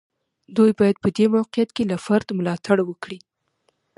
دوی باید په دې موقعیت کې له فرد ملاتړ وکړي.